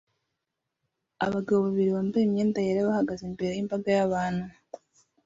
Abagabo babiri bambaye imyenda yera bahagaze imbere yimbaga yabantu